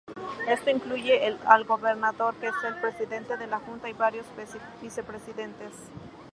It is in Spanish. Esto incluye al Gobernador, que es el Presidente de la Junta y varios Vicepresidentes.